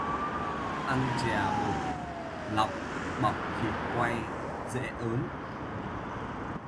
Ăn chè bột lọc bọc thịt quay dễ ớn